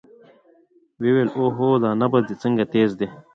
ويې ويل اوهو دا نبض دې څنګه تېز دى.